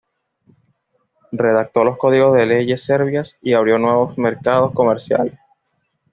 Redactó los códigos de leyes serbias y abrió nuevos mercados comerciales.